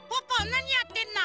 なにやってんの？